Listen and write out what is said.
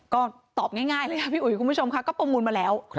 ก็ตอบง่ายเลยค่ะพี่อุ๋ยคุณผู้ชมค่ะก็ประมูลมาแล้ว